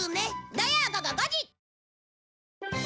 土曜午後５時！